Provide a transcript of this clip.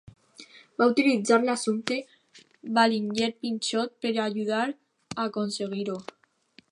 Va utilitzar l'assumpte Ballinger-Pinchot per ajudar a aconseguir-ho.